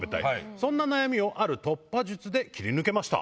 そんな悩みを、ある突破術で切り抜けました。